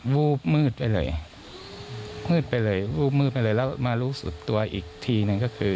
วูบมืดไปเลยมืดไปเลยวูบมืดไปเลยแล้วมารู้สึกตัวอีกทีหนึ่งก็คือ